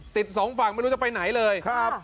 ติด๒ฝั่งไม่รู้จะไปไหนเลย